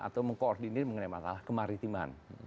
atau mengkoordinir mengenai masalah kemaritiman